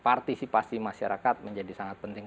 partisipasi masyarakat menjadi sangat penting